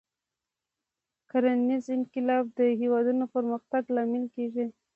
کرنیز انقلاب د هېوادونو پرمختګ لامل کېږي.